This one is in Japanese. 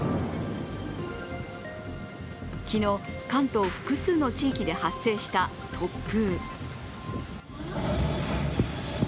昨日、関東複数の地域で発生した突風。